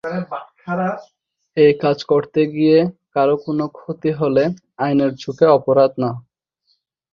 এ কাজ করতে গিয়ে কারো কোনো ক্ষতি হলে আইনের চোখে অপরাধ না।